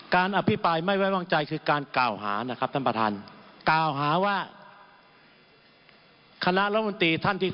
การอภิปายไม่ไว้วางใจคือการกล่าวหานะครับท่านประธาน